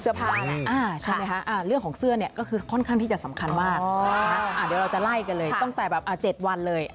ใช่ไหมคะเรื่องของเสื้อเนี่ยก็คือค่อนข้างที่จะสำคัญมากเดี๋ยวเราจะไล่กันเลยตั้งแต่แบบ๗วันเลย